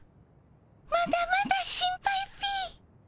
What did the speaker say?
まだまだ心配っピ。